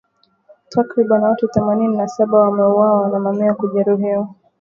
Takribani watu themanini na saba wameuawa na mamia kujeruhiwa